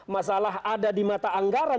masalah ada di mata anggaran